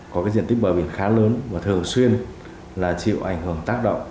có diện tích bờ biển khá lớn và thường xuyên chịu ảnh hưởng tác động